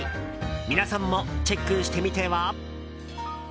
皆さんもチェックしてみては？